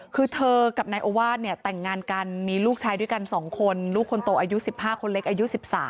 คือเธอกับนายโอวาสเนี่ยแต่งงานกันมีลูกชายด้วยกัน๒คนลูกคนโตอายุ๑๕คนเล็กอายุ๑๓